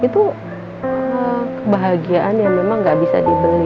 itu kebahagiaan yang memang gak bisa dibeli